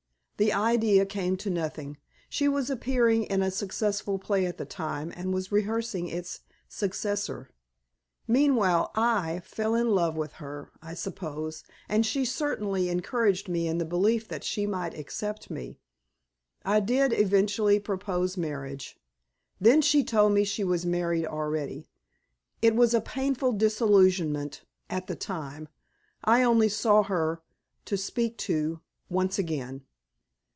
The idea came to nothing. She was appearing in a successful play at the time, and was rehearsing its successor. Meanwhile, I—fell in love with her, I suppose, and she certainly encouraged me in the belief that she might accept me. I did eventually propose marriage. Then she told me she was married already. It was a painful disillusionment—at the time. I only saw her, to speak to, once again."